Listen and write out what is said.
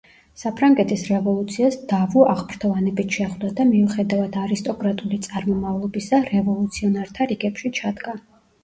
საფრანგეთის რევოლუციას დავუ აღფრთოვანებით შეხვდა და მიუხედავად არისტოკრატული წარმომავლობისა რევოლუციონერთა რიგებში ჩადგა.